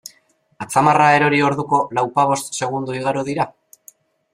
Atzamarra erori orduko, lauzpabost segundo igaro dira?